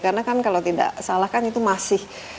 karena kan kalau tidak salah kan itu masih